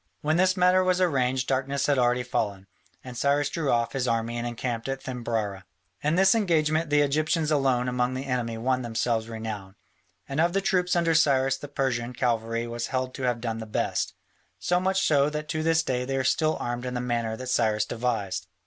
When this matter was arranged darkness had already fallen, and Cyrus drew off his army and encamped at Thymbrara. In this engagement the Egyptians alone among the enemy won themselves renown, and of the troops under Cyrus the Persian cavalry was held to have done the best, so much so that to this day they are still armed in the manner that Cyrus devised.